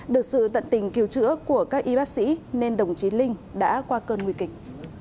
được sự tận tình cứu chữa của các y bác sĩ nên đồng chí linh đã qua cơn nguy kịch